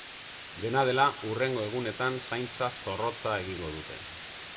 Dena dela, hurrengo egunetan zaintza zorrotza egingo dute.